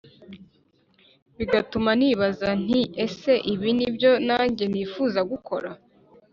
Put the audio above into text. Bigatuma nibaza nti ese ibi ni byo nanjye nifuza gukora